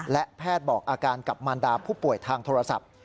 และแพทย์บอกอาการกับมารดาผู้ป่วยทางโทรศัพท์